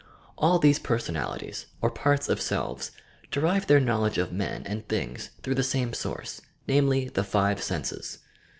All these personalities, or parts of selves, derive their knowledge of men and things through the same source, namely the five senses.